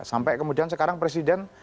sampai kemudian sekarang presiden